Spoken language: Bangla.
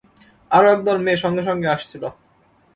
আরো একদল মেয়ে সঙ্গে সঙ্গে আসছিল।